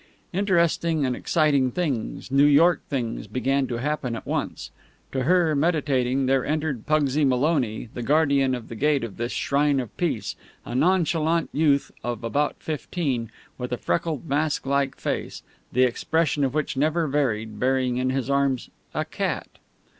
Interesting and exciting things, New York things, began to happen at once. To her, meditating, there entered Pugsy Maloney, the guardian of the gate of this shrine of Peace, a nonchalant youth of about fifteen, with a freckled, mask like face, the expression of which never varied, bearing in his arms a cat.